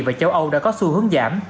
và châu âu đã có xu hướng giảm